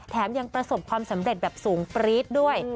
ยังประสบความสำเร็จแบบสูงปรี๊ดด้วย